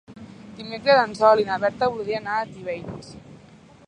Dimecres en Sol i na Berta voldrien anar a Tivenys.